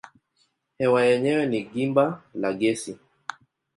Hewa yenyewe ni gimba la gesi.